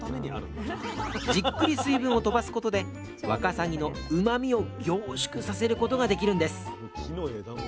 じっくり水分を飛ばすことでわかさぎのうまみを凝縮させることができるんです。